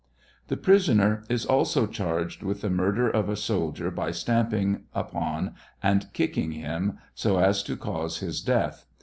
The prisoner is also charged with the murder of a soldier, by stamping upc and kicking him so as to cause his death.